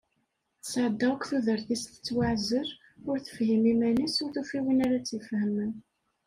Tesεedda-d akk tudert-is tettwaεzel, ur tefhim iman-is, ur tufi win ara tt-ifehmen.